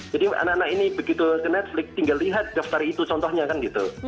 jadi anak anak ini begitu ke netflix tinggal lihat daftar itu contohnya kan gitu